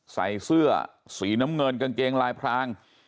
ใส่เสื้อสีน้ำเงินกางเกงลายพราง